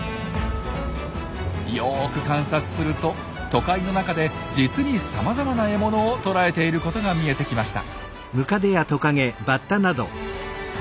よく観察すると都会の中で実にさまざまな獲物を捕らえていることが見えてきました。